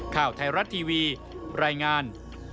ข่าวไทยรัฐทีวีรายงาน